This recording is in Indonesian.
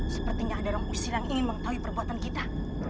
sepertinya ada orang usir yang ingin mengetahui perbuatan kita